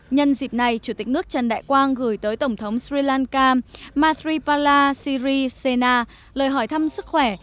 nhân dịp này chủ tịch nước trần đại quang gửi tới tổng thống sri lanka mathripala siri sena lời hỏi thăm sức khỏe